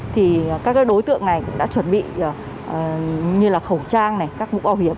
thì các đối tượng này cũng đã chuẩn bị như là khẩu trang này các mũ bảo hiểm